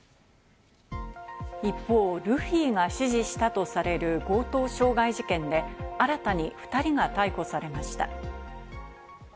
一方、ルフィが指示したとされる強盗傷害事件で、新たに２人が逮捕されました。